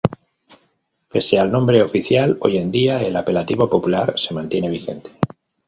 Pese al nombre oficial, hoy en día el apelativo popular se mantiene vigente.